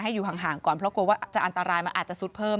อยู่ห่างก่อนเพราะกลัวว่าจะอันตรายมันอาจจะซุดเพิ่ม